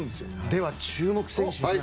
では注目選手を。